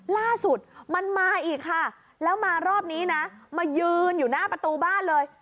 ล่าสุดมันมาอีกค่ะแล้วมารอบนี้นะมายืนอยู่หน้าประตูบ้านเลย